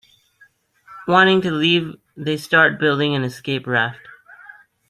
Wanting to leave, they start building an escape raft.